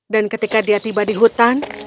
dan ketika dia tiba di hutan